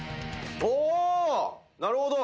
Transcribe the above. おおなるほど。